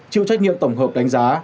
chịu trách nhiệm tổng hợp đánh giá